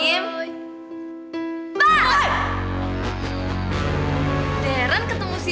eh dia si genut